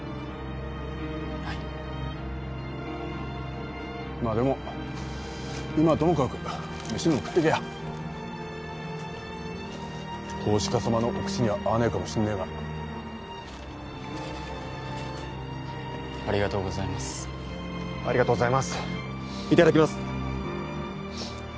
はいまあでも今はともかくメシでも食ってけや投資家様のお口には合わねえかもしんねえがありがとうございますありがとうございますいただきます